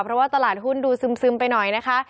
เพราะว่าตลาดหุ้นดูซึมไปหน่อยนะคะ